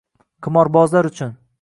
Qimorbozlar uchun